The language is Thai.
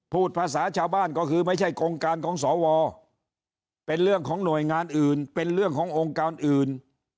เป็นเรื่องของหน่วยงานอื่นเป็นเรื่องขององค์กรอื่น